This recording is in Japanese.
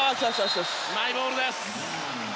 マイボールです。